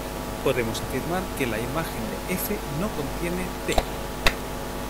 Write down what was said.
Podemos afirmar que la imagen de "F" no contiene "t".